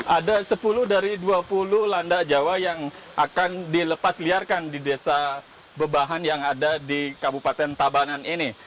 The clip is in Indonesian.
ada sepuluh dari dua puluh landak jawa yang akan dilepas liarkan di desa bebahan yang ada di kabupaten tabanan ini